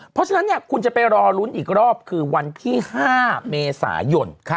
เพราะฉะนั้นคุณจะไปรอลุ้นอีกรอบคือวันที่๕เมษายน